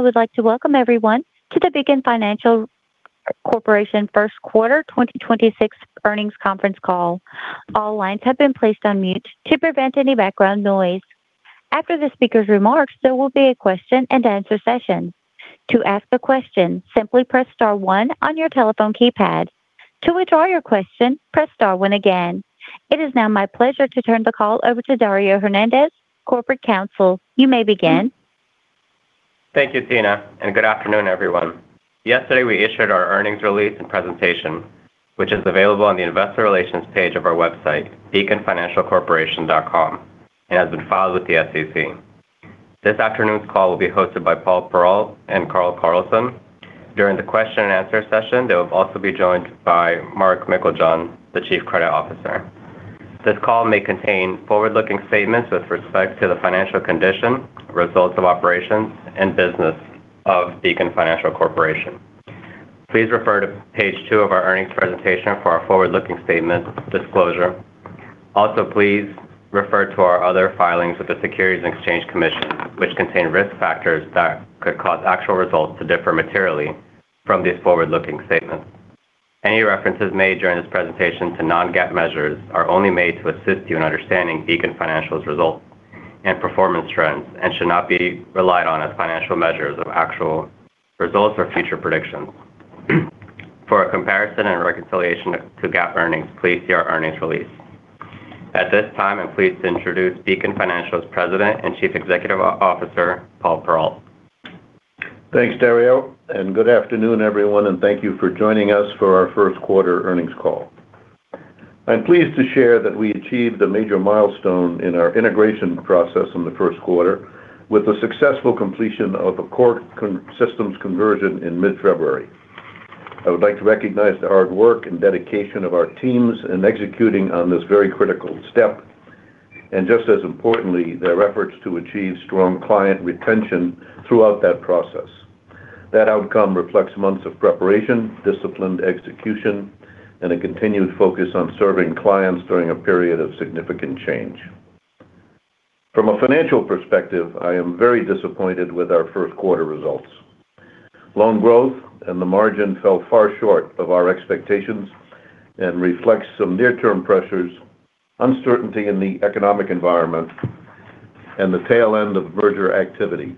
I would like to welcome everyone to the Beacon Financial Corporation first quarter 2026 earnings conference call. All lines have been placed on mute to prevent any background noise. After the speaker's remarks, there will be a question-and-answer session. To ask a question, simply press star one on your telephone keypad. To withdraw your question, press star one again. It is now my pleasure to turn the call over to Dario Hernandez, Corporate Counsel. You may begin. Thank you, Tina, and good afternoon, everyone. Yesterday, we issued our earnings release and presentation, which is available on the investor relations page of our website, beaconfinancialcorporation.com, and has been filed with the SEC. This afternoon's call will be hosted by Paul Perrault and Carl Carlson. During the question and answer session, they will also be joined by Mark Meiklejohn, the Chief Credit Officer. This call may contain forward-looking statements with respect to the financial condition, results of operations, and business of Beacon Financial Corporation. Please refer to page two of our earnings presentation for our forward-looking statement disclosure. Also, please refer to our other filings with the Securities and Exchange Commission, which contain risk factors that could cause actual results to differ materially from these forward-looking statements. Any references made during this presentation to non-GAAP measures are only made to assist you in understanding Beacon Financial's results and performance trends and should not be relied on as financial measures of actual results or future predictions. For a comparison and reconciliation to GAAP earnings, please see our earnings release. At this time, I'm pleased to introduce Beacon Financial's President and Chief Executive Officer, Paul Perrault. Thanks, Dario, and good afternoon, everyone, and thank you for joining us for our first quarter earnings call. I'm pleased to share that we achieved a major milestone in our integration process in the first quarter with the successful completion of a core systems conversion in mid-February. I would like to recognize the hard work and dedication of our teams in executing on this very critical step, and just as importantly, their efforts to achieve strong client retention throughout that process. That outcome reflects months of preparation, disciplined execution, and a continued focus on serving clients during a period of significant change. From a financial perspective, I am very disappointed with our first quarter results. Loan growth and the margin fell far short of our expectations and reflects some near-term pressures, uncertainty in the economic environment, and the tail end of merger activity.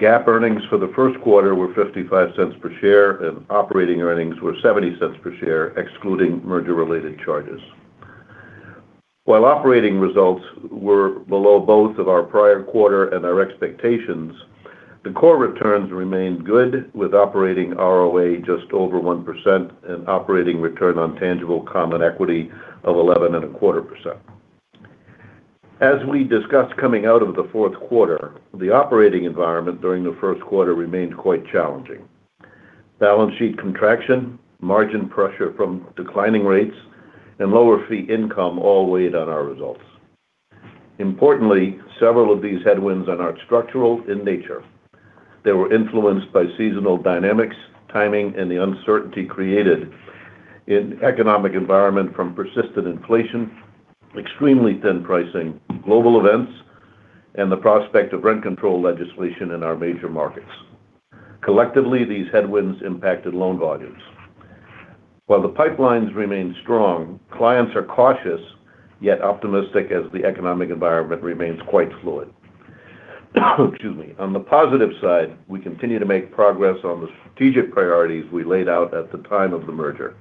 GAAP earnings for the first quarter were $0.55 per share, and operating earnings were $0.70 per share, excluding merger-related charges. While operating results were below both of our prior quarter and our expectations, the core returns remained good, with operating ROA just over 1% and operating return on tangible common equity of 11.25%. As we discussed coming out of the fourth quarter, the operating environment during the first quarter remained quite challenging. Balance sheet contraction, margin pressure from declining rates, and lower fee income all weighed on our results. Importantly, several of these headwinds are not structural in nature. They were influenced by seasonal dynamics, timing, and the uncertainty created in economic environment from persistent inflation, extremely thin pricing, global events, and the prospect of rent control legislation in our major markets. Collectively, these headwinds impacted loan volumes. While the pipelines remain strong, clients are cautious, yet optimistic as the economic environment remains quite fluid. Excuse me. On the positive side, we continue to make progress on the strategic priorities we laid out at the time of the merger.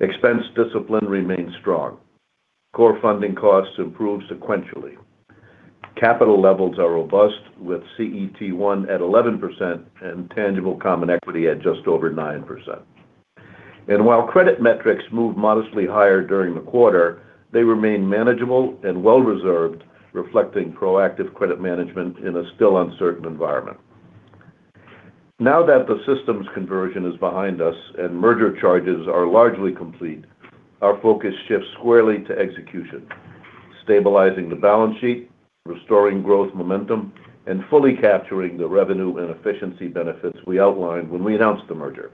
Expense discipline remains strong. Core funding costs improve sequentially. Capital levels are robust, with CET1 at 11% and tangible common equity at just over 9%. While credit metrics moved modestly higher during the quarter, they remain manageable and well-reserved, reflecting proactive credit management in a still uncertain environment. Now that the systems conversion is behind us and merger charges are largely complete, our focus shifts squarely to execution, stabilizing the balance sheet, restoring growth momentum, and fully capturing the revenue and efficiency benefits we outlined when we announced the merger.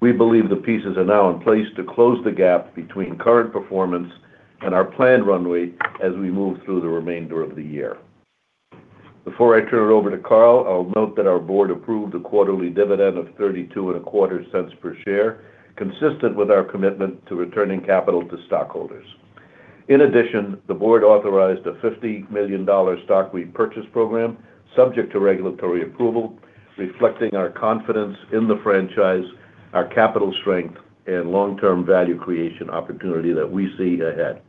We believe the pieces are now in place to close the gap between current performance and our planned runway as we move through the remainder of the year. Before I turn it over to Carl, I'll note that our Board approved a quarterly dividend of $0.3225 per share, consistent with our commitment to returning capital to stockholders. In addition, the Board authorized a $50 million stock repurchase program subject to regulatory approval, reflecting our confidence in the franchise, our capital strength, and long-term value creation opportunity that we see ahead.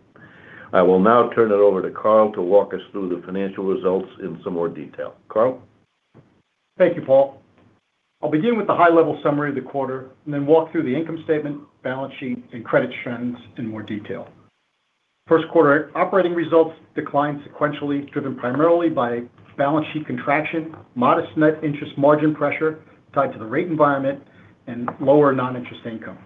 I will now turn it over to Carl to walk us through the financial results in some more detail. Carl? Thank you, Paul. I'll begin with a high-level summary of the quarter and then walk through the income statement, balance sheet, and credit trends in more detail. First quarter operating results declined sequentially, driven primarily by balance sheet contraction, modest net interest margin pressure tied to the rate environment, and lower non-interest income.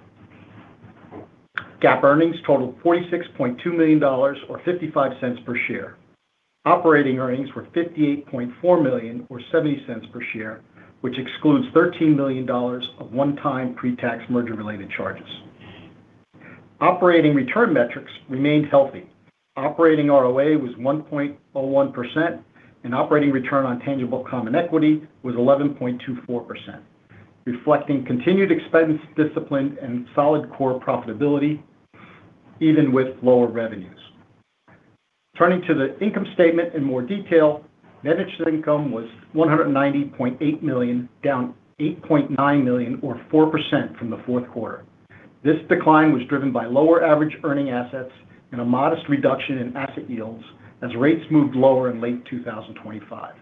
GAAP earnings totaled $46.2 million, or $0.55 per share. Operating earnings were $58.4 million, or $0.70 per share, which excludes $13 million of one-time pre-tax merger-related charges. Operating return metrics remained healthy. Operating ROA was 1.01% and operating return on tangible common equity was 11.24%, reflecting continued expense discipline and solid core profitability even with lower revenues. Turning to the income statement in more detail, net interest income was $190.8 million, down $8.9 million or 4% from the fourth quarter. This decline was driven by lower average earning assets and a modest reduction in asset yields as rates moved lower in late 2025.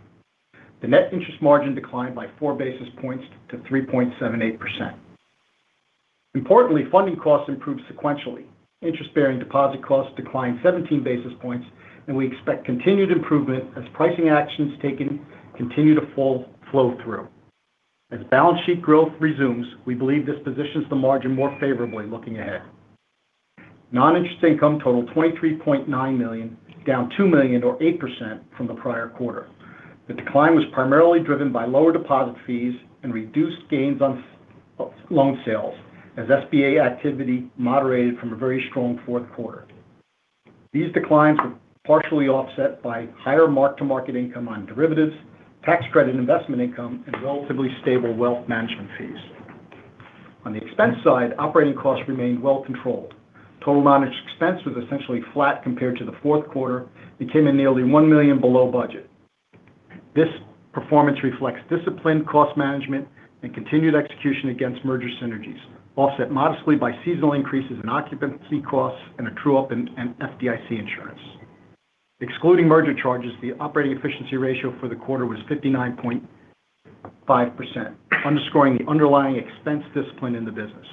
The net interest margin declined by 4 basis points to 3.78%. Importantly, funding costs improved sequentially. Interest-bearing deposit costs declined 17 basis points, and we expect continued improvement as pricing actions taken continue to full flow through. As balance sheet growth resumes, we believe this positions the margin more favorably looking ahead. Non-interest income totaled $23.9 million, down $2 million or 8% from the prior quarter. The decline was primarily driven by lower deposit fees and reduced gains on loan sales as SBA activity moderated from a very strong fourth quarter. These declines were partially offset by higher mark-to-market income on derivatives, tax credit investment income, and relatively stable wealth management fees. On the expense side, operating costs remained well controlled. Total non-interest expense was essentially flat compared to the fourth quarter and came in nearly $1 million below budget. This performance reflects disciplined cost management and continued execution against merger synergies, offset modestly by seasonal increases in occupancy costs and a true-up in FDIC insurance. Excluding merger charges, the operating efficiency ratio for the quarter was 59.5%, underscoring the underlying expense discipline in the business.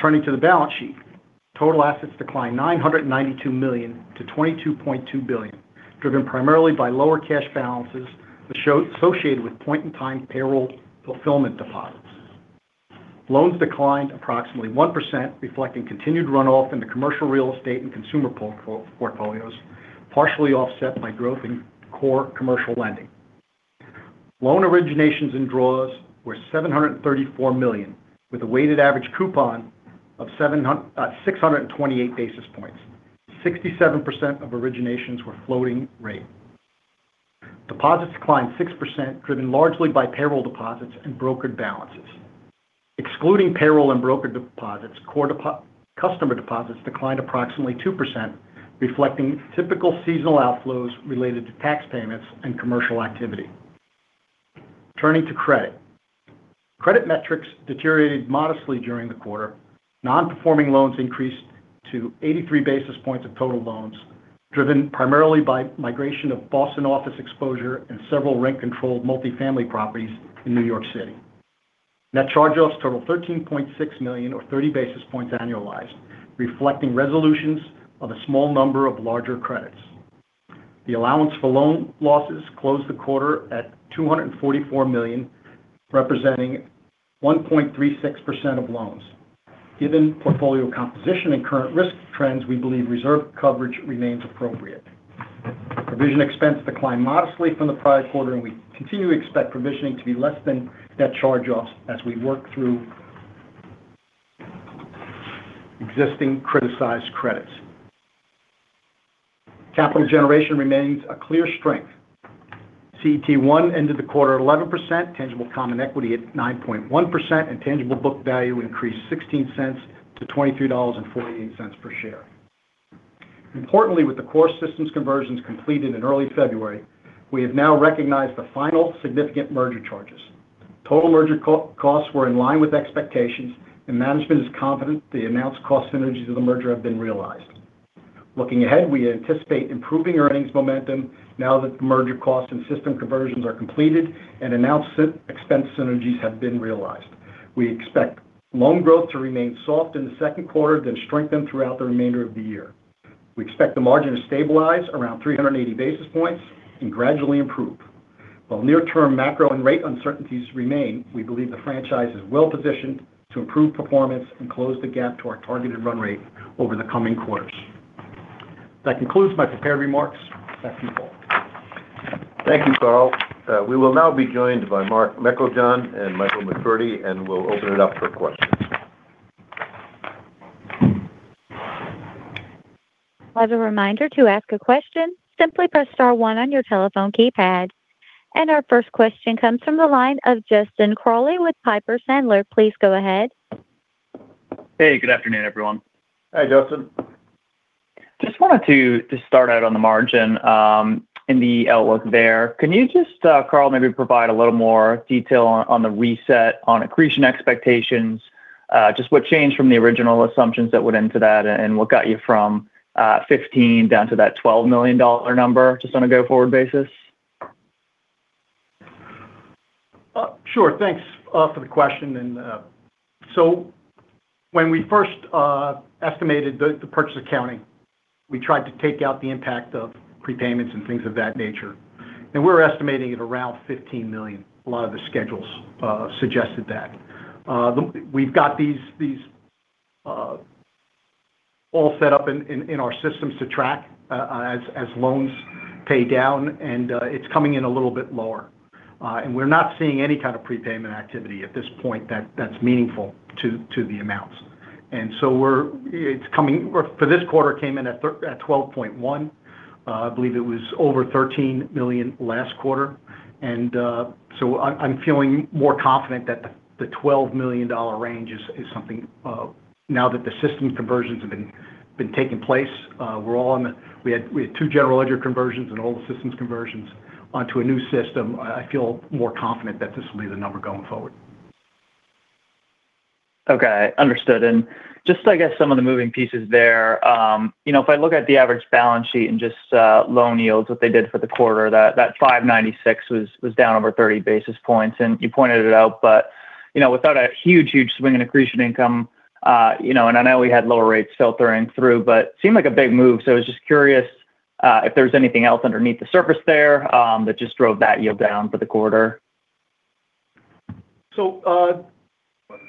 Turning to the balance sheet. Total assets declined $992 million to $22.2 billion, driven primarily by lower cash balances associated with point-in-time payroll fulfillment deposits. Loans declined approximately 1%, reflecting continued runoff in the commercial real estate and consumer portfolios, partially offset by growth in core commercial lending. Loan originations and draws were $734 million, with a weighted average coupon of 628 basis points. 67% of originations were floating rate. Deposits declined 6%, driven largely by payroll deposits and brokered balances. Excluding payroll and brokered deposits, core customer deposits declined approximately 2%, reflecting typical seasonal outflows related to tax payments and commercial activity. Turning to credit. Credit metrics deteriorated modestly during the quarter. Non-performing loans increased to 83 basis points of total loans, driven primarily by migration of Boston office exposure and several rent-controlled multifamily properties in New York City. Net charge-offs totaled $13.6 million or 30 basis points annualized, reflecting resolutions of a small number of larger credits. The allowance for loan losses closed the quarter at $244 million, representing 1.36% of loans. Given portfolio composition and current risk trends, we believe reserve coverage remains appropriate. Provision expense declined modestly from the prior quarter, and we continue to expect provisioning to be less than net charge-offs as we work through existing criticized credits. Capital generation remains a clear strength. CET1 ended the quarter at 11%, tangible common equity at 9.1%, and tangible book value increased $0.16 to $23.14 per share. Importantly, with the core systems conversions completed in early February, we have now recognized the final significant merger charges. Total merger costs were in line with expectations, and management is confident the announced cost synergies of the merger have been realized. Looking ahead, we anticipate improving earnings momentum now that the merger costs and system conversions are completed and announced expense synergies have been realized. We expect loan growth to remain soft in the second quarter, then strengthen throughout the remainder of the year. We expect the margin to stabilize around 380 basis points and gradually improve. While near-term macro and rate uncertainties remain, we believe the franchise is well positioned to improve performance and close the gap to our targeted run rate over the coming quarters. That concludes my prepared remarks. Back to you, Paul. Thank you, Carl. We will now be joined by Mark Meiklejohn and Michael McCurdy. We'll open it up for questions. As a reminder, to ask a question, simply press star one on your telephone keypad. Our first question comes from the line of Justin Crowley with Piper Sandler. Please go ahead. Hey, good afternoon, everyone. Hi, Justin. Just wanted to start out on the margin, in the outlook there. Can you just, Carl, maybe provide a little more detail on the reset on accretion expectations? Just what changed from the original assumptions that would enter that and what got you from $15 million down to that $12 million number, just on a go-forward basis? Sure. Thanks for the question. When we first estimated the purchase accounting, we tried to take out the impact of prepayments and things of that nature. We're estimating it around $15 million. A lot of the schedules suggested that. We've got these all set up in our systems to track as loans pay down, and it's coming in a little bit lower. We're not seeing any kind of prepayment activity at this point that's meaningful to the amounts. For this quarter came in at $12.1. I believe it was over $13 million last quarter. I'm feeling more confident that the $12 million range is something now that the system conversions have been taking place. We had two general ledger conversions and all the systems conversions onto a new system. I feel more confident that this will be the number going forward. Okay. Understood. Just, I guess, some of the moving pieces there. You know, if I look at the average balance sheet and just loan yields, what they did for the quarter, that 596 was down over 30 basis points. You pointed it out, you know, without a huge swing in accretion income, you know, and I know we had lower rates filtering through, seemed like a big move. I was just curious if there's anything else underneath the surface there that just drove that yield down for the quarter.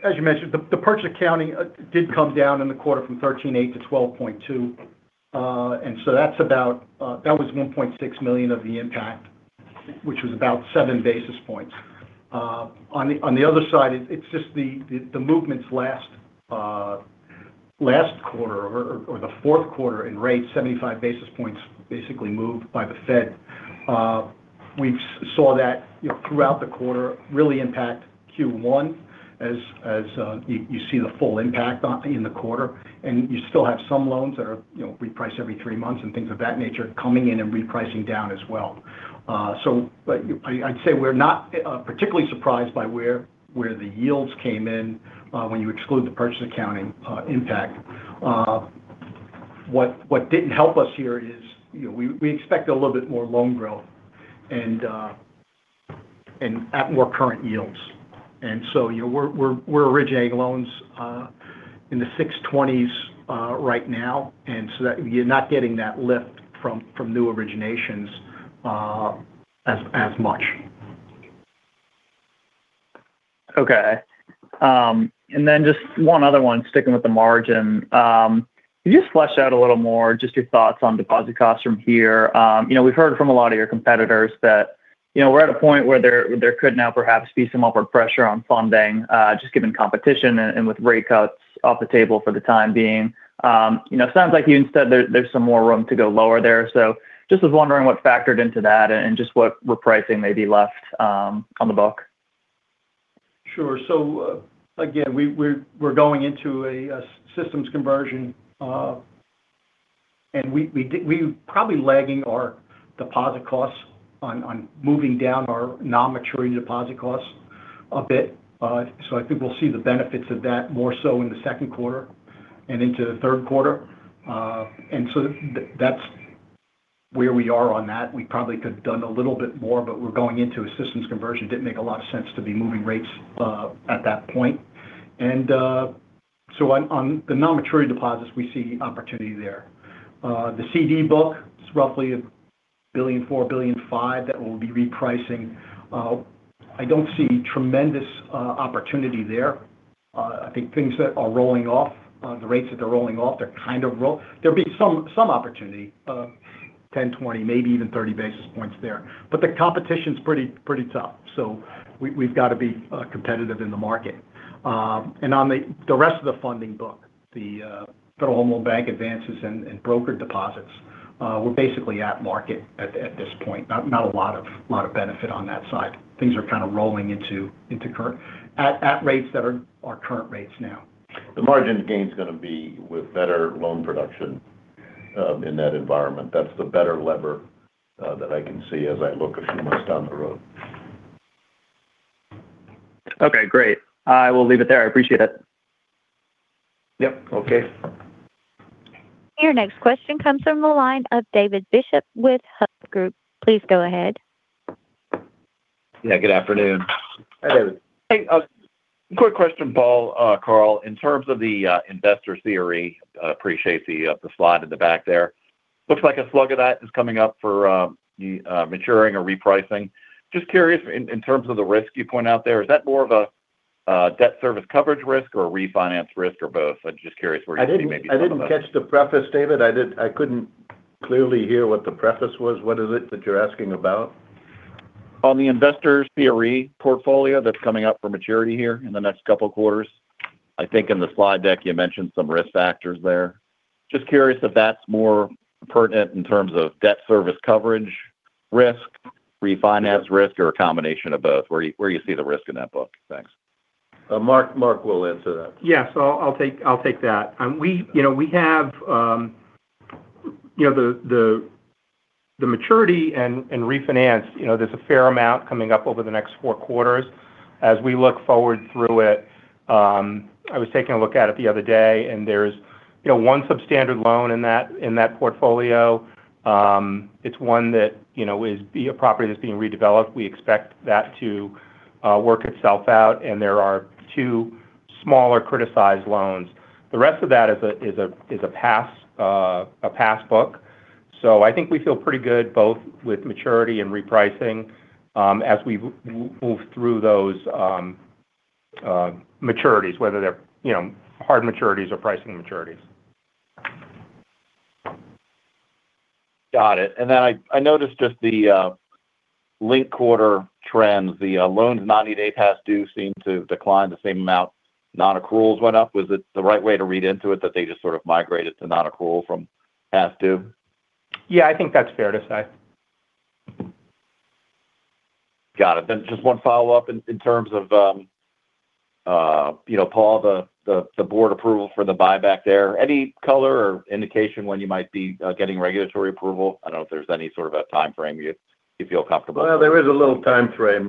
As you mentioned, the purchase accounting did come down in the quarter from 13.8% to 12.2%. That's about that was $1.6 million of the impact, which was about 7 basis points. On the other side, it's just the movements last last quarter or the fourth quarter in rates, 75 basis points basically moved by the Fed. We saw that, you know, throughout the quarter really impact Q1 as, you see the full impact in the quarter. You still have some loans that are, you know, repriced every three months and things of that nature coming in and repricing down as well. I'd say we're not particularly surprised by where the yields came in when you exclude the purchase accounting impact. What didn't help us here is, you know, we expect a little bit more loan growth and at more current yields. You know, we're originating loans in the 6.20s% right now. That you're not getting that lift from new originations, as much. Okay. Just one other one, sticking with the margin. Could you just flesh out a little more just your thoughts on deposit costs from here? You know, we've heard from a lot of your competitors that, you know, we're at a point where there could now perhaps be some upward pressure on funding, just given competition and with rate cuts off the table for the time being. You know, it sounds like you instead there's some more room to go lower there. Just was wondering what factored into that and just what repricing may be left on the book. Sure. Again, we're going into a systems conversion. We probably lagging our deposit costs on moving down our non-maturity deposit costs a bit. I think we'll see the benefits of that more so in the second quarter and into the third quarter. That's where we are on that. We probably could have done a little bit more, but we're going into a systems conversion. Didn't make a lot of sense to be moving rates at that point. On the non-maturity deposits, we see opportunity there. The CD book is roughly $1.4 billion-$1.5 billion that we'll be repricing. I don't see tremendous opportunity there. I think things that are rolling off, the rates that they're rolling off, they're kind of roll. There'll be some opportunity, 10 basis points, 20 basis points, maybe even 30 basis points there. The competition's pretty tough. We've got to be competitive in the market. On the rest of the funding book, the Federal Home Loan Bank advances and brokered deposits, we're basically at market at this point. Not a lot of benefit on that side. Things are kind of rolling into at rates that are our current rates now. The margin gain's gonna be with better loan production in that environment. That's the better lever that I can see as I look a few months down the road. Okay, great. I will leave it there. I appreciate it. Yep. Okay. Your next question comes from the line of David Bishop with Hovde Group. Please go ahead. Yeah, good afternoon. Hey, David. Hey, quick question, Paul, Carl, in terms of the investor CRE, appreciate the slide in the back there. Looks like a slug of that is coming up for maturing or repricing. Just curious in terms of the risk you point out there, is that more of a debt service coverage risk or a refinance risk or both? I'm just curious where you see maybe some of that. I didn't catch the preface, David. I couldn't clearly hear what the preface was. What is it that you're asking about? On the Investor CRE portfolio that's coming up for maturity here in the next couple quarters. I think in the slide deck, you mentioned some risk factors there. Just curious if that's more pertinent in terms of debt service coverage risk, refinance risk, or a combination of both. Where you see the risk in that book? Thanks. Mark will answer that. Yeah. I'll take that. We have the maturity and refinance, there's a fair amount coming up over the next four quarters. As we look forward through it, I was taking a look at it the other day, and there's one substandard loan in that portfolio. It's one that is property that's being redeveloped. We expect that to work itself out. There are two smaller criticized loans. The rest of that is a pass book. I think we feel pretty good both with maturity and repricing, as we move through those maturities, whether they're hard maturities or pricing maturities. Got it. I noticed just the link quarter trends. The loans 90-day past due seemed to decline the same amount non-accruals went up. Was it the right way to read into it that they just sort of migrated to non-accrual from past due? Yeah, I think that's fair to say. Got it. Just one follow-up in terms of, you know, Paul, the Board approval for the buyback there. Any color or indication when you might be getting regulatory approval? I don't know if there's any sort of a timeframe you feel comfortable sharing. Well, there is a little timeframe.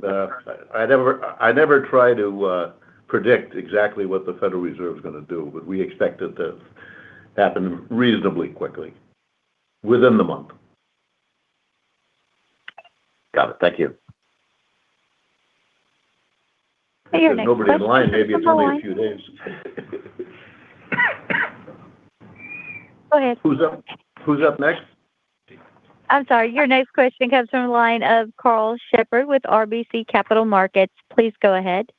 I never, I never try to predict exactly what the Federal Reserve's going to do, but we expect it to happen reasonably quickly, within the month. Got it. Thank you. Your next question. There's nobody in line. Maybe it's only a few days. Go ahead. Who's up next? I'm sorry. Your next question comes from the line of Carl Shepherd with RBC Capital Markets. Please go ahead.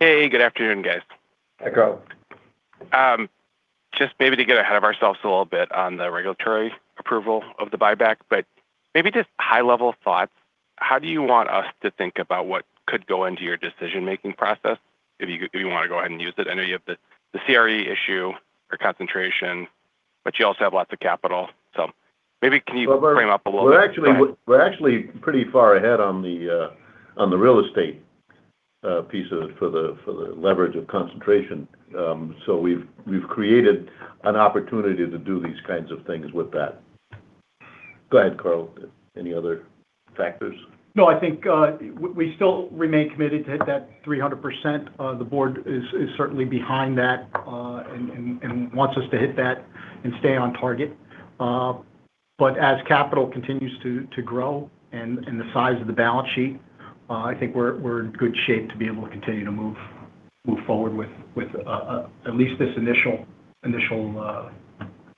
Hey, good afternoon, guys. Hi, Carl. Just maybe to get ahead of ourselves a little bit on the regulatory approval of the buyback, but maybe just high-level thoughts. How do you want us to think about what could go into your decision-making process? If you, if you want to go ahead and use it. I know you have the CRE issue or concentration, but you also have lots of capital. So maybe can you frame up a little bit? Well, we're actually pretty far ahead on the real estate piece of it for the leverage of concentration. We've created an opportunity to do these kinds of things with that. Go ahead, Carl. Any other factors? No, I think we still remain committed to hit that 300%. The board is certainly behind that and wants us to hit that and stay on target. As capital continues to grow and the size of the balance sheet, I think we're in good shape to be able to continue to move forward with at least this initial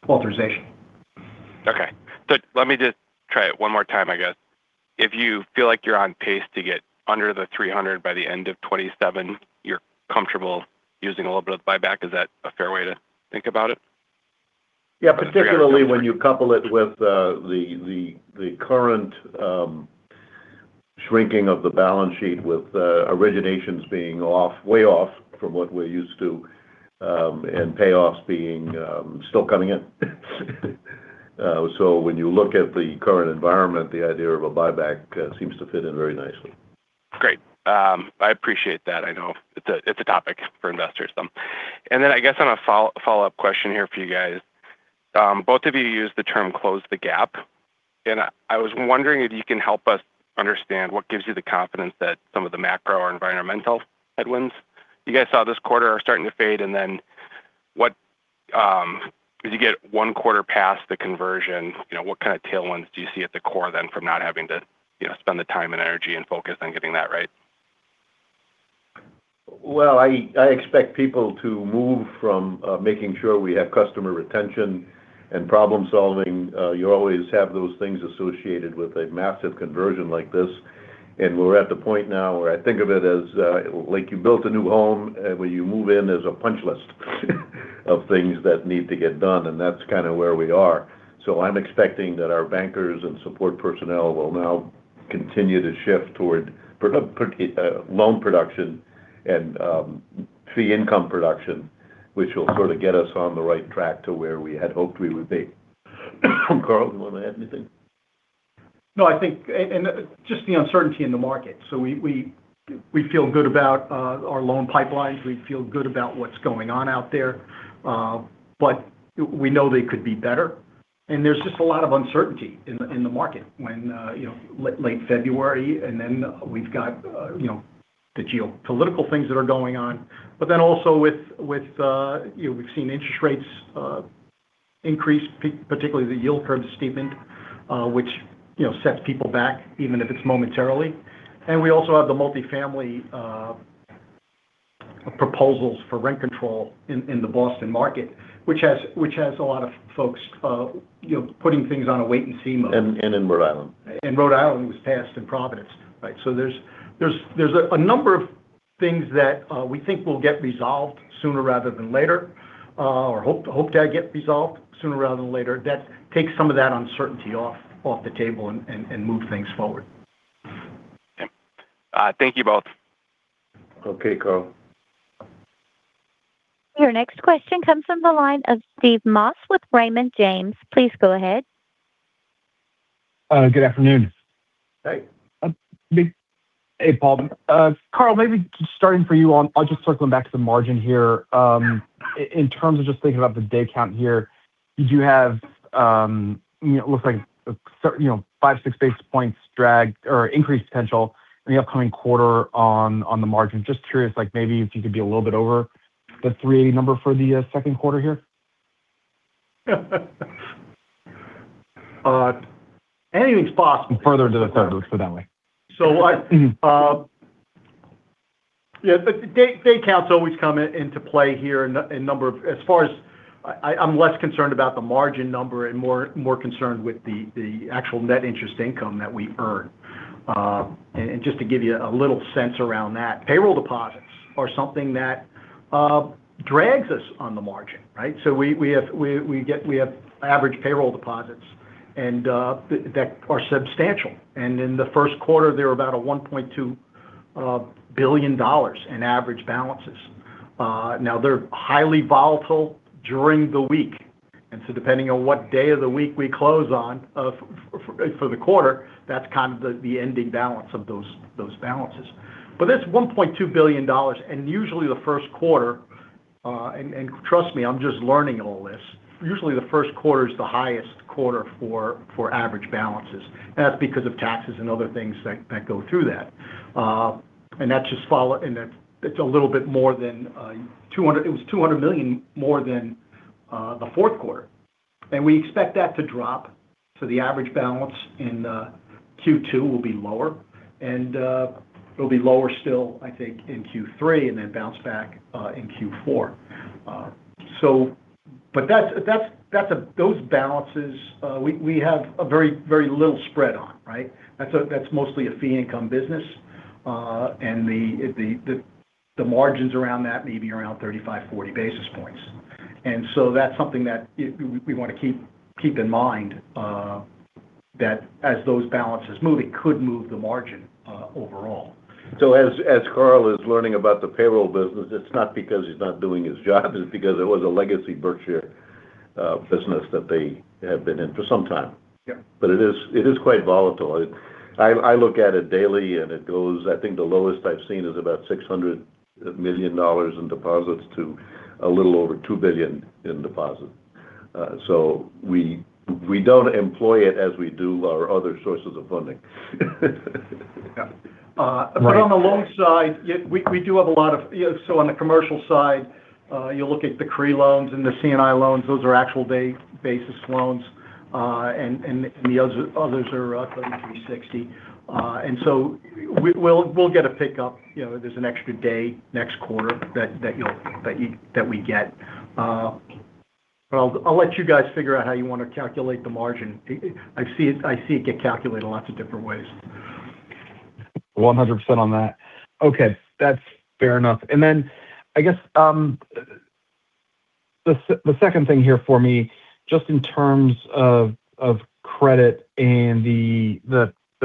authorization. Okay. Let me just try it one more time, I guess. If you feel like you're on pace to get under the 300% by the end of 2027, you're comfortable using a little bit of buyback. Is that a fair way to think about it? Yeah, particularly when you couple it with the current shrinking of the balance sheet with originations being off, way off from what we're used to, and payoffs being still coming in. When you look at the current environment, the idea of a buyback seems to fit in very nicely. Great. I appreciate that. I know it's a topic for investors, so. I guess on a follow-up question here for you guys. Both of you used the term close the gap, and I was wondering if you can help us understand what gives you the confidence that some of the macro or environmental headwinds you guys saw this quarter are starting to fade. What, as you get one quarter past the conversion, you know, what kind of tailwinds do you see at the core then from not having to, you know, spend the time and energy and focus on getting that right? Well, I expect people to move from making sure we have customer retention and problem-solving. You always have those things associated with a massive conversion like this. We're at the point now where I think of it as like you built a new home, where you move in, there's a punch list of things that need to get done, and that's kind of where we are. I'm expecting that our bankers and support personnel will now continue to shift toward loan production and fee income production, which will sort of get us on the right track to where we had hoped we would be. Carl, you want to add anything? I think just the uncertainty in the market. We feel good about our loan pipelines. We feel good about what's going on out there. We know they could be better. There's just a lot of uncertainty in the market when, late February, and then we've got the geopolitical things that are going on. Also with, we've seen interest rates increase, particularly the yield curve steepen, which sets people back even if it's momentarily. We also have the multifamily proposals for rent control in the Boston market, which has a lot of folks putting things on a wait and see mode. In Rhode Island. Rhode Island was passed in Providence, right? There's a number of things that we think will get resolved sooner rather than later or hope to get resolved sooner rather than later. That takes some of that uncertainty off the table and move things forward. Thank you both. Okay, Carl. Your next question comes from the line of Steve Moss with Raymond James. Please go ahead. Good afternoon. Hey. Hey, Paul. Carl, maybe starting for you circling back to the margin here. In terms of just thinking about the day count here, did you have, you know, it looks like 5 basis points, 6 basis points dragged or increased potential in the upcoming quarter on the margin? Just curious, like maybe if you could be a little bit over the 3% number for the second quarter here? Anything's possible. Further into the third, let's put that way. So I- Mm-hmm yeah, the day count's always come into play here in number of. As far as I'm less concerned about the margin number and more concerned with the actual net interest income that we earn. Just to give you a little sense around that, payroll deposits are something that drags us on the margin, right? We have average payroll deposits and that are substantial. In the first quarter, they were about a $1.2 billion in average balances. Now they're highly volatile during the week. Depending on what day of the week we close on for the quarter, that's kind of the ending balance of those balances. That's $1.2 billion. Usually the first quarter, and trust me, I'm just learning all this. Usually, the first quarter is the highest quarter for average balances. That's because of taxes and other things that go through that. It's a little bit more than $200 million more than the fourth quarter. We expect that to drop. The average balance in Q2 will be lower and it'll be lower still, I think, in Q3 and then bounce back in Q4. That's those balances we have a very, very little spread on, right? That's mostly a fee income business. The margins around that may be around 35 basis points, 40 basis points. That's something that we want to keep in mind that as those balances move, it could move the margin overall. As Carl Carlson is learning about the payroll business, it's not because he's not doing his job. It's because it was a legacy Berkshire business that they have been in for some time. Yeah. It is quite volatile. I look at it daily and I think the lowest I've seen is about $600 million in deposits to a little over $2 billion in deposits. We don't employ it as we do our other sources of funding. Yeah. Right. On the loan side, yeah. On the commercial side, you look at the CRE loans and the C&I loans, those are actual day basis loans. The others are going to be 60 days. We will get a pickup. You know, there's an extra day next quarter that we get. I will let you guys figure out how you want to calculate the margin. I see it get calculated lots of different ways. 100% on that. Okay. That's fair enough. I guess, the second thing here for me, just in terms of credit and the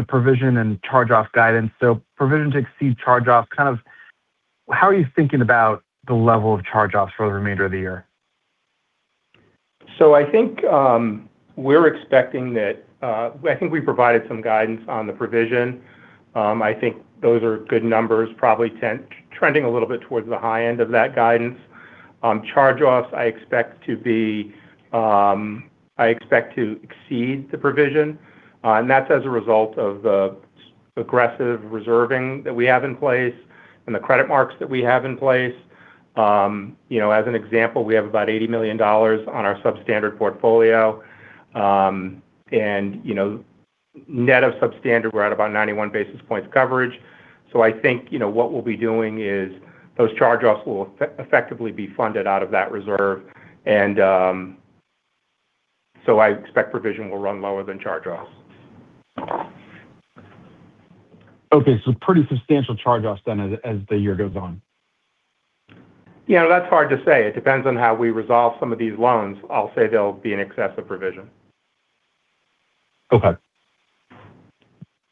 provision and charge-off guidance. Provision to exceed charge-offs, kind of how are you thinking about the level of charge-offs for the remainder of the year? I think we provided some guidance on the provision. I think those are good numbers, probably trending a little bit towards the high end of that guidance. Charge-offs, I expect to exceed the provision, and that's as a result of the aggressive reserving that we have in place and the credit marks that we have in place. You know, as an example, we have about $80 million on our substandard portfolio. And, you know, net of substandard, we're at about 91 basis points coverage. I think, you know, what we'll be doing is those charge-offs will effectively be funded out of that reserve. I expect provision will run lower than charge-offs. Okay. Pretty substantial charge-offs then as the year goes on. You know, that's hard to say. It depends on how we resolve some of these loans. I'll say they'll be in excess of provision. Okay.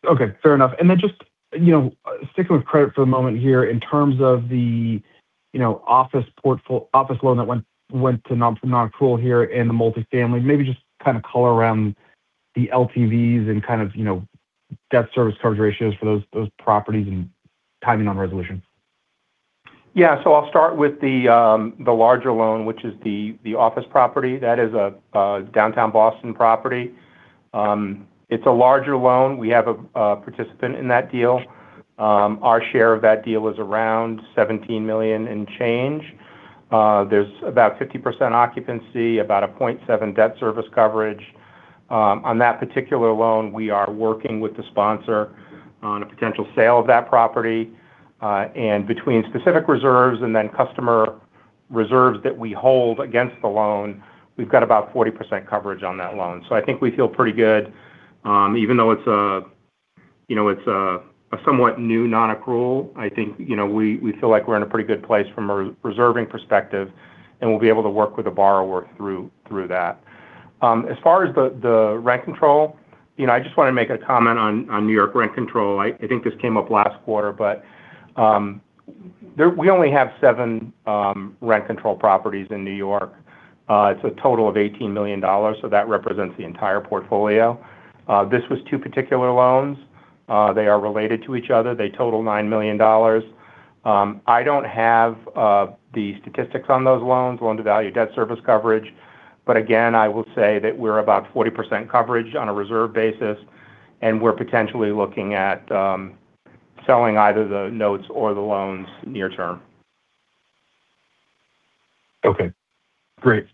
Okay, fair enough. Then just, you know, sticking with credit for a moment here, in terms of the, you know, office loan that went to nonaccrual here and the multifamily, maybe just kind of color around the LTVs and kind of, you know, debt service coverage ratios for those properties and timing on resolution? Yeah. I'll start with the larger loan, which is the office property. That is a downtown Boston property. It's a larger loan. We have a participant in that deal. Our share of that deal is around $17 million and change. There's about 50% occupancy, about a 0.7 debt service coverage. On that particular loan, we are working with the sponsor on a potential sale of that property. Between specific reserves and then customer reserves that we hold against the loan, we've got about 40% coverage on that loan. I think we feel pretty good. Even though it's a, you know, it's a somewhat new nonaccrual, I think, you know, we feel like we're in a pretty good place from a reserving perspective, and we'll be able to work with the borrower through that. As far as the rent control, you know, I just want to make a comment on New York rent control. I think this came up last quarter, but we only have 7 rent-controlled properties in New York. It's a total of $18 million, so that represents the entire portfolio. This was two particular loans. They are related to each other. They total $9 million. I don't have the statistics on those loans, loan-to-value debt service coverage. Again, I will say that we're about 40% coverage on a reserve basis, and we're potentially looking at selling either the notes or the loans near term. Okay, great.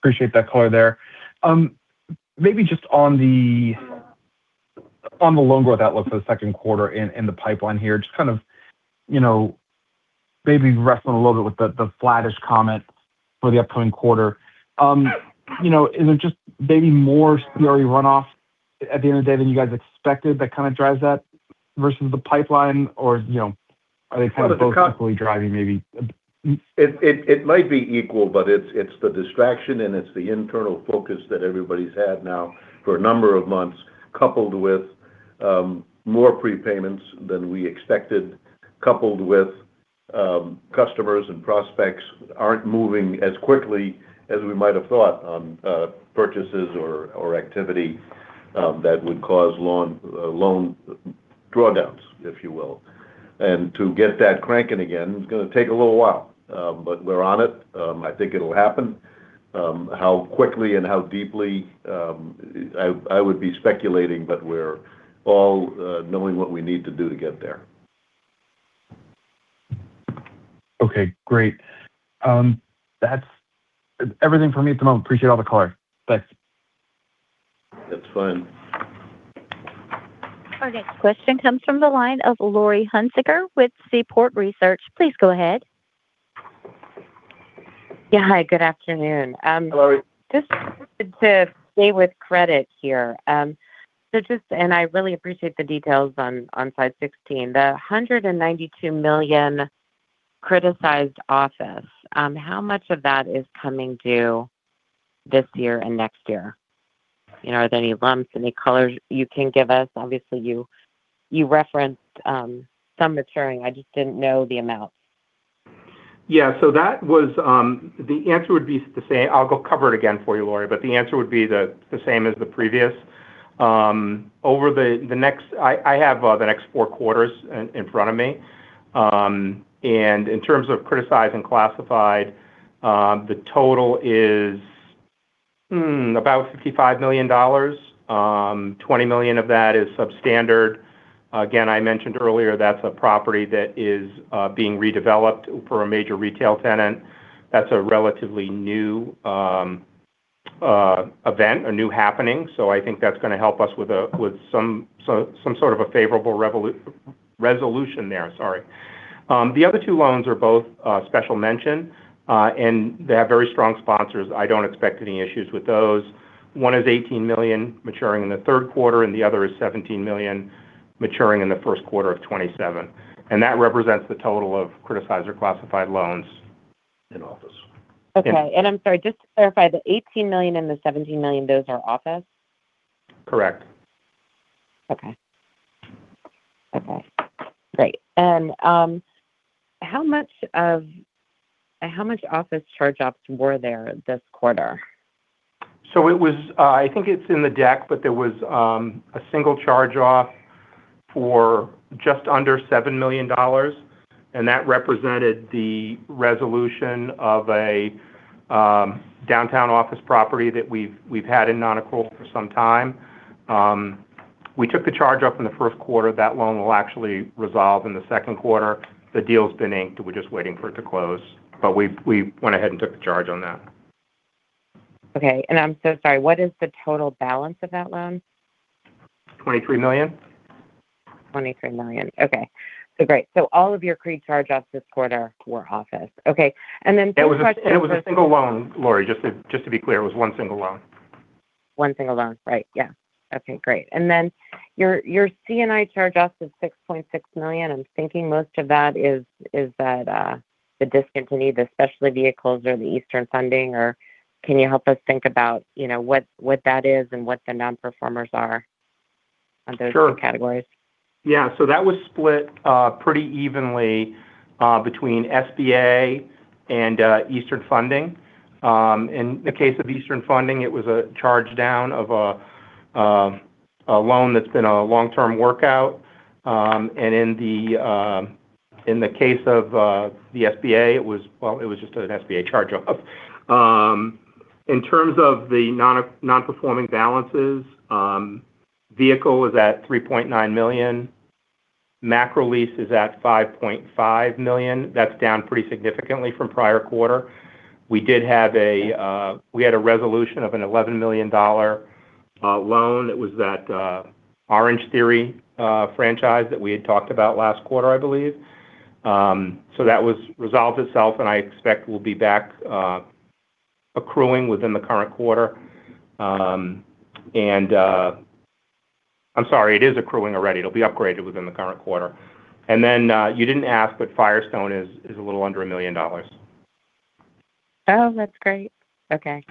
Appreciate that color there. Maybe just on the longer outlook for the second quarter in the pipeline here, just kind of, you know, maybe wrestling a little bit with the flattish comment for the upcoming quarter. You know, is there just maybe more CRE runoff at the end of the day than you guys expected that kind of drives that versus the pipeline? You know, are they kind of both equally driving maybe? It might be equal, but it's the distraction and it's the internal focus that everybody's had now for a number of months, coupled with more prepayments than we expected, coupled with customers and prospects aren't moving as quickly as we might have thought on purchases or activity that would cause loan drawdowns, if you will. To get that cranking again is gonna take a little while. We're on it. I think it'll happen. How quickly and how deeply, I would be speculating, but we're all knowing what we need to do to get there. Okay. Great. That's everything from me at the moment. Appreciate all the color. Thanks. That's fine. Our next question comes from the line of Laurie Hunsicker with Seaport Research Partners. Please go ahead. Yeah. Hi, good afternoon. Hello. Just wanted to stay with credit here. I really appreciate the details on slide 16. The $192 million criticized office, how much of that is coming due this year and next year? You know, are there any lumps, any colors you can give us? Obviously, you referenced some maturing. I just didn't know the amounts. Yeah. That was. The answer would be the same. I'll go cover it again for you, Laurie, but the answer would be the same as the previous. I have the next four quarters in front of me. And in terms of criticized and classified, the total is about $55 million. $20 million of that is substandard. Again, I mentioned earlier, that's a property that is being redeveloped for a major retail tenant. That's a relatively new event, a new happening. I think that's gonna help us with some sort of a favorable resolution there. Sorry. The other two loans are both special mention, and they have very strong sponsors. I don't expect any issues with those. One is $18 million maturing in the third quarter, and the other is $17 million maturing in the first quarter of 2027. That represents the total of criticized or classified loans. In office. Okay. I'm sorry, just to clarify, the $18 million and the $17 million, those are office? Correct. Okay. Okay. Great. How much office charge-offs were there this quarter? I think it's in the deck, but there was a single charge-off for just under $7 million, and that represented the resolution of a downtown office property that we've had in non-accrual for some time. We took the charge-off in the first quarter. That loan will actually resolve in the second quarter. The deal's been inked. We're just waiting for it to close. We went ahead and took the charge on that. Okay. I'm so sorry. What is the total balance of that loan? $23 million. $23 million. Okay. Great. All of your CRE charge-offs this quarter were office. Okay. Two questions. It was a single loan, Laurie, just to be clear. It was one single loan. One single loan. Right. Yeah. Okay, great. Your, your C&I charge-off is $6.6 million. I'm thinking most of that is that the discontinued, the specialty vehicles or the Eastern Funding? Can you help us think about, you know, what that is and what the non-performers are on those two categories? Sure. Yeah. That was split pretty evenly between SBA and Eastern Funding. In the case of Eastern Funding, it was a charge down of a loan that's been a long-term workout. In the case of the SBA, it was just an SBA charge-off. In terms of the non-performing balances, vehicle was at $3.9 million. Macrolease is at $5.5 million. That's down pretty significantly from prior quarter. We did have a resolution of an $11 million loan. It was that Orangetheory franchise that we had talked about last quarter, I believe. That was resolved itself. I expect we'll be back accruing within the current quarter. I'm sorry, it is accruing already. It'll be upgraded within the current quarter. You didn't ask, but Firestone is a little under $1 million. Oh, that's great. Okay.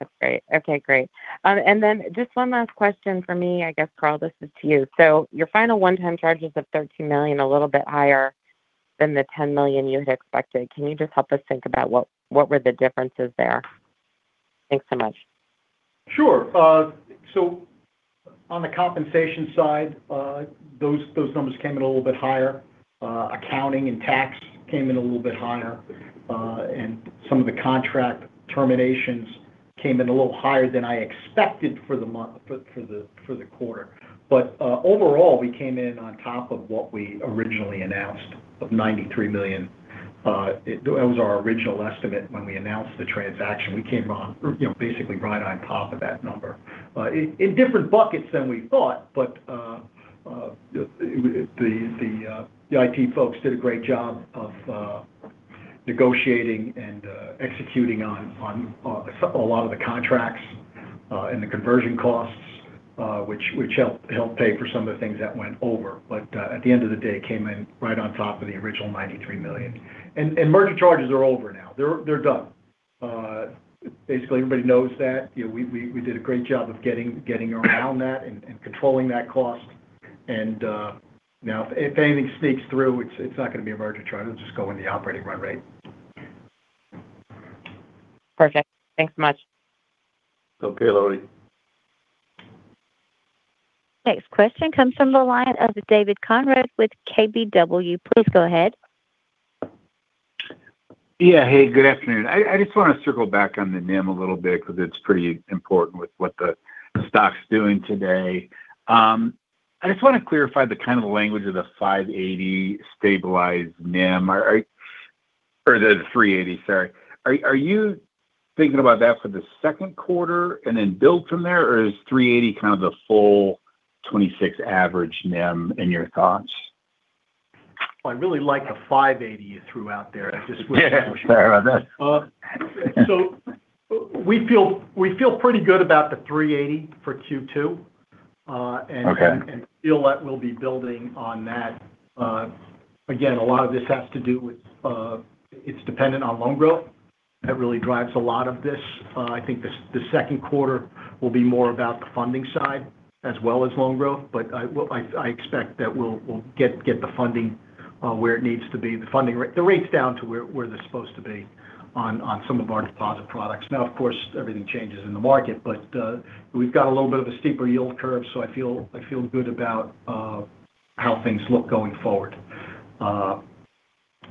That's great. Okay, great. Then just one last question from me. I guess, Carl, this is to you. Your final one-time charge is of $13 million, a little bit higher than the $10 million you had expected. Can you just help us think about what were the differences there? Thanks so much. Sure. On the compensation side, those numbers came in a little bit higher. Accounting and tax came in a little bit higher, and some of the contract terminations came in a little higher than I expected for the quarter. Overall, we came in on top of what we originally announced of $93 million. That was our original estimate when we announced the transaction. We came on, you know, basically right on top of that number. In different buckets than we thought, but the IT folks did a great job of negotiating and executing on a lot of the contracts and the conversion costs, which helped pay for some of the things that went over. At the end of the day, came in right on top of the original $93 million. Merger charges are over now. They're done. Basically everybody knows that. You know, we did a great job of getting around that and controlling that cost. Now if anything sneaks through, it's not gonna be a merger charge. It'll just go in the operating run-rate. Perfect. Thanks much. Okay, Laurie. Next question comes from the line of David Konrad with KBW. Please go ahead. Yeah. Hey, good afternoon. I just want to circle back on the NIM a little bit because it's pretty important with what the stock's doing today. I just want to clarify the kind of language of the 580 basis points stabilized NIM, or the 380 basis points, sorry. Are you thinking about that for the second quarter and then build from there, or is 380 basis points kind of the full 2026 average NIM in your thoughts? Well, I really like the 580 basis points you threw out there. I just wish. Yeah. Sorry about that. We feel pretty good about the 380 basis points for Q2. Okay And feel that we'll be building on that. Again, a lot of this has to do with, it's dependent on loan growth. That really drives a lot of this. I think the second quarter will be more about the funding side as well as loan growth. I expect that we'll get the funding where it needs to be, the rates down to where they're supposed to be on some of our deposit products. Now, of course, everything changes in the market, but we've got a little bit of a steeper yield curve, so I feel good about how things look going forward.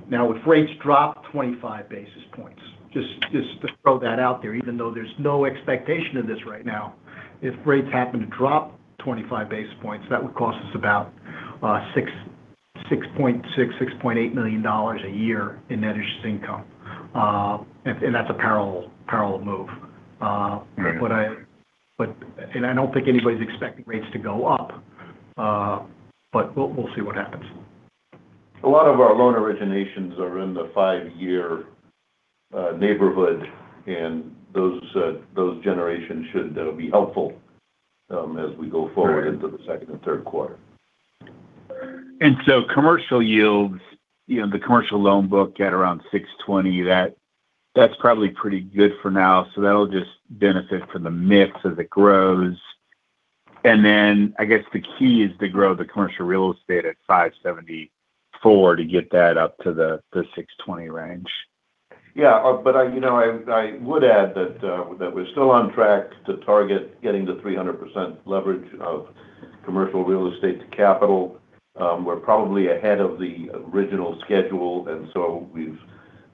Now if rates drop 25 basis points, just to throw that out there, even though there's no expectation of this right now. If rates happen to drop 25 basis points, that would cost us about $6.6 million, $6.8 million a year in net interest income. That's a parallel move. Right I don't think anybody's expecting rates to go up. We'll see what happens. A lot of our loan originations are in the five-year neighborhood. Those generations should be helpful as we go forward. Right into the second and third quarter. Commercial yields, you know, the commercial loan book at around 620 basis points, that's probably pretty good for now. That'll just benefit from the mix as it grows. Then I guess the key is to grow the commercial real estate at 574 basis points to get that up to the 620 basis points range. Yeah. I, you know, I would add that we're still on track to target getting to 300% leverage of commercial real estate to capital. We're probably ahead of the original schedule,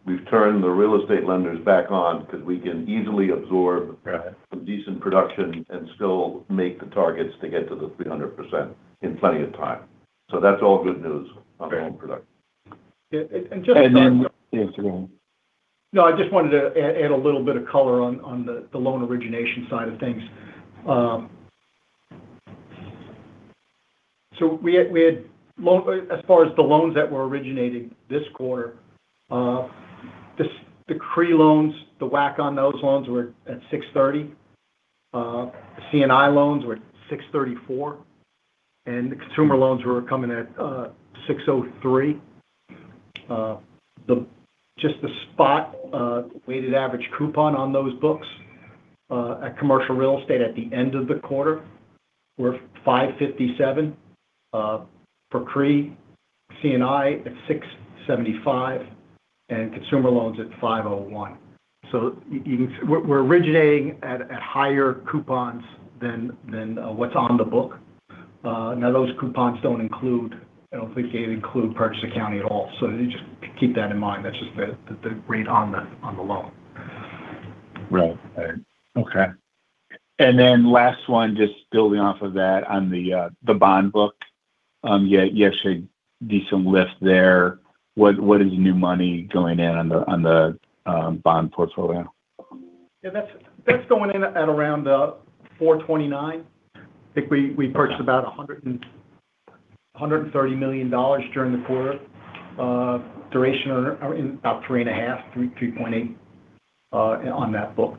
we've turned the real estate lenders back on because we can easily absorb. Right some decent production and still make the targets to get to the 300% in plenty of time. That's all good news. Okay on loan production. Yeah, and. Yeah, go on. I just wanted to add a little bit of color on the loan origination side of things. We had as far as the loans that were originated this quarter, the CRE loans, the WAC on those loans were at 630 basis points. C&I loans were at 634 basis points. The consumer loans were coming at 603 basis points. Just the spot weighted average coupon on those books at commercial real estate at the end of the quarter were 557 basis points for CRE. C&I at 675 basis points. Consumer loans at 501 basis points. You we're originating at higher coupons than what's on the book. Now those coupons don't include, I don't think they include purchase accounting at all. You just keep that in mind. That's just the rate on the loan. Right. Okay. Last one, just building off of that on the bond book. You have a decent lift there. What is the new money going in on the bond portfolio? Yeah, that's going in at around 4.29%. I think we purchased about $130 million during the quarter. Duration around about 3.5%-3.8% on that book.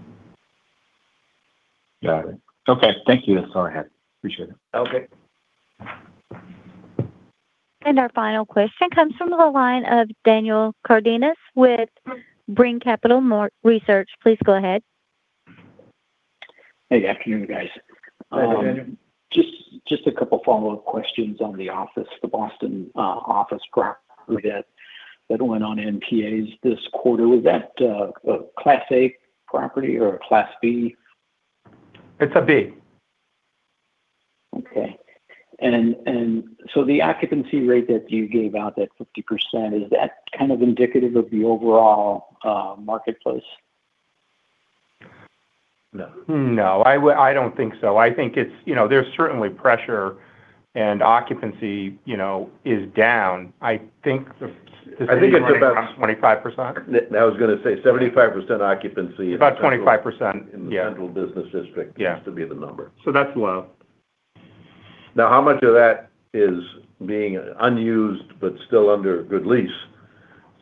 Got it. Okay. Thank you. That's all I had. Appreciate it. Okay. Our final question comes from the line of Daniel Cardenas with Brean Capital. Please go ahead. Hey. Afternoon, guys. Hi, Daniel. Just a couple follow-up questions on the office, the Boston office prop that went on NPAs this quarter. Was that a Class A property or a Class B? It's a B. Okay. The occupancy rate that you gave out, that 50%, is that kind of indicative of the overall marketplace? No. No, I don't think so. I think it's, you know, there's certainly pressure and occupancy, you know, is down. I think it's about- 25%? I was gonna say 75% occupancy About 25%, yeah. in the central business district. Yeah Seems to be the number. That's low. How much of that is being unused but still under good lease?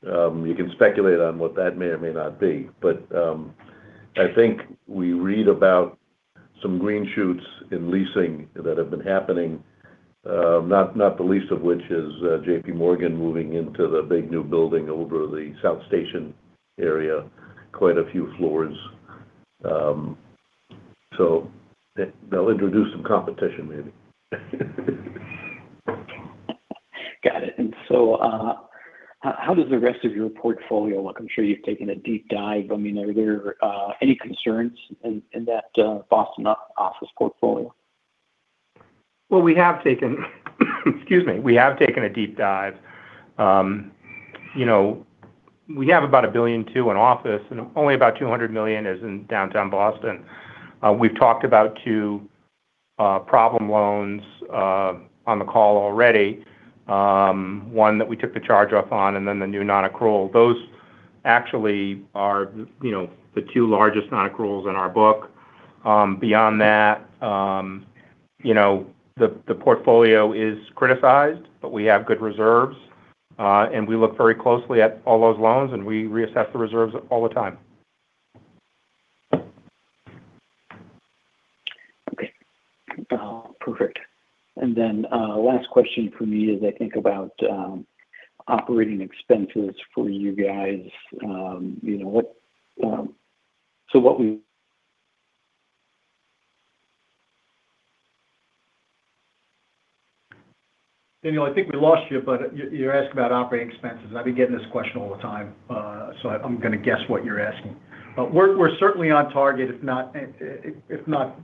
You can speculate on what that may or may not be. I think we read about some green shoots in leasing that have been happening, not the least of which is JPMorgan moving into the big new building over the South Station area, quite a few floors. They'll introduce some competition maybe. Got it. How does the rest of your portfolio look? I'm sure you've taken a deep dive. I mean, are there any concerns in that Boston office portfolio? Well, we have taken excuse me, we have taken a deep dive. You know, we have about $1.2 billion in office and only about $200 million is in downtown Boston. We've talked about two problem loans on the call already. One that we took the charge off on and then the new non-accrual. Those actually are, you know, the two largest non-accruals in our book. Beyond that, you know, the portfolio is criticized, but we have good reserves, and we look very closely at all those loans and we reassess the reserves all the time. Okay. Perfect. Last question from me as I think about operating expenses for you guys. You know, what Daniel, I think we lost you. You asked about operating expenses. I'm going to guess what you're asking. We're certainly on target, if not, if not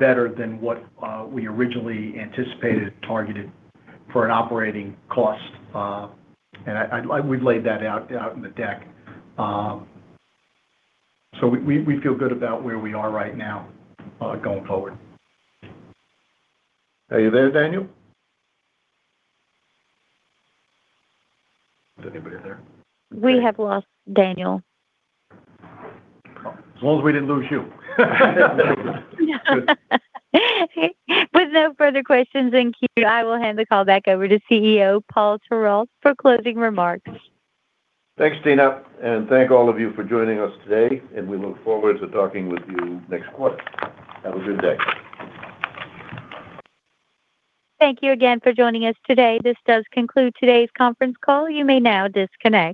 better than what we originally anticipated targeted for an operating cost. We've laid that out in the deck. We feel good about where we are right now, going forward. Are you there, Daniel? Is anybody there? We have lost Daniel. As long as we didn't lose you. With no further questions in queue, I will hand the call back over to CEO, Paul Perrault, for closing remarks. Thanks, Tina, and thank all of you for joining us today, and we look forward to talking with you next quarter. Have a good day. Thank you again for joining us today. This does conclude today's conference call. You may now disconnect.